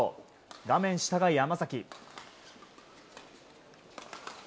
画面下が山崎。